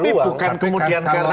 tapi bukan kemudian karena